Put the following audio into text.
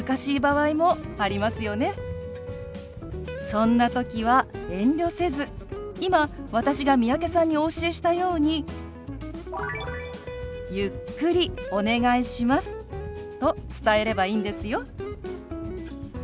そんな時は遠慮せず今私が三宅さんにお教えしたように「ゆっくりお願いします」と伝えればいいんですよ。